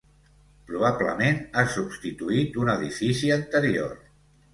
Probablement ha substituït un edifici anterior.